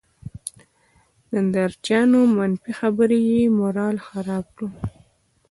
نندارچيانو، منفي خبرې یې مورال خراب کړ.